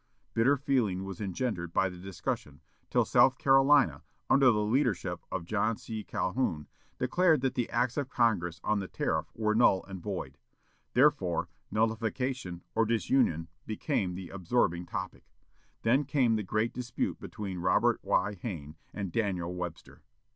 Bitter feeling was engendered by the discussion, till South Carolina, under the leadership of John C. Calhoun, declared that the acts of Congress on the tariff were null and void; therefore, nullification or disunion became the absorbing topic. Then came the great dispute between Robert Y. Hayne and Daniel Webster.